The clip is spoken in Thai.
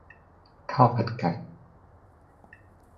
ข้าวผัดไก่